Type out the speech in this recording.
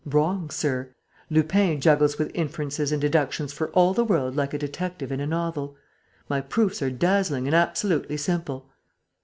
Wrong, sir! Lupin juggles with inferences and deductions for all the world like a detective in a novel. My proofs are dazzling and absolutely simple."